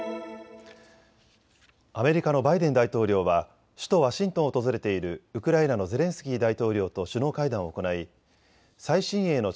アメリカのバイデン大統領は首都ワシントンを訪れているウクライナのゼレンスキー大統領と首脳会談を行い最新鋭の地